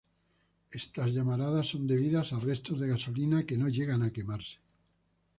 Estas llamaradas son debidas a restos de gasolina que no llegan a quemarse.